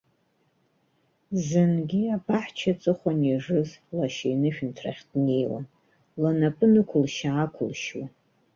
Зынгьы, абаҳча аҵыхәан ижыз, лашьа инышәынҭрахь днеиуан, лнапы нықәылшь-аақәылшьуан.